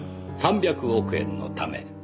３００億円のため。